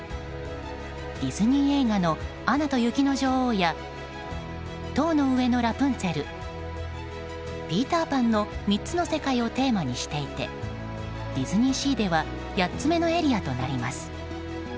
ディズニー映画の「アナと雪の女王」や「塔の上のラプンツェル」「ピーター・パン」の３つの世界をテーマにしていてディズニーシーでは８つ目のエリアとなります。